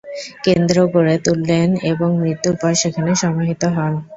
কেন্দ্র গড়ে তুলেন এবং মৃত্যুর পর সেখান সমাহিত হন।